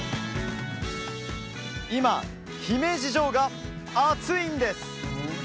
今姫路城が熱いんです